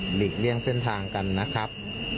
หลีกเลี่ยงเส้นทางกันนะครับ